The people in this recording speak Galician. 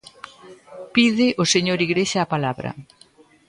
Pide o señor Igrexa a palabra.